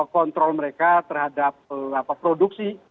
kontrol mereka terhadap produksi